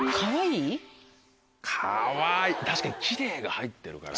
確かに「きれい」が入ってるから。